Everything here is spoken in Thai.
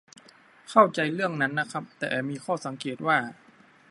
เข้าใจเรื่องนั้นนะครับ แต่มีข้อสังเกตว่า